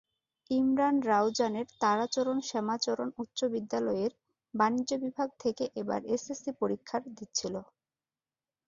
ইমরান রাউজানের তারাচরণ শ্যামাচরণ উচ্চবিদ্যালয়ের বাণিজ্য বিভাগ থেকে এবার এসএসসি পরীক্ষার দিচ্ছিল।